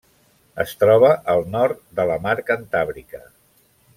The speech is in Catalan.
Es troba al nord de la Mar Cantàbrica.